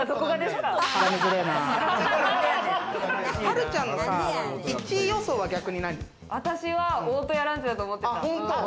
はるちゃんの１位予想、私は大戸屋ランチだと思ってた。